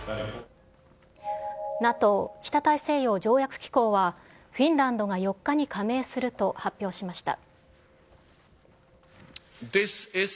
ＮＡＴＯ・北大西洋条約機構は、フィンランドが４日に加盟すると発表しました。